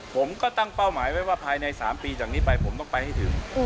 ผมก็ตั้งเป้าหมายไว้ว่าภายใน๓ปีจากนี้ไปผมต้องไปให้ถึง